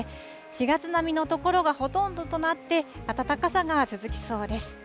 ４月並みの所がほとんどとなって、暖かさが続きそうです。